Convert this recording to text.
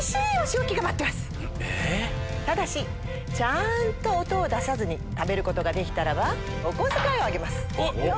ただし音を出さずに食べることができたらばお小遣いをあげます。